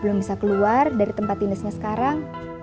belum bisa keluar dari tempat dinasnya sekarang